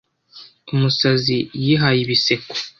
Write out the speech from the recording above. Umusazi yihaye ibiseko